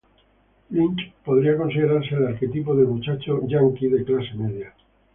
Lynch podría considerarse el arquetipo del muchacho estadounidense de clase media.